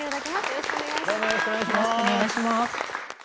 よろしくお願いします。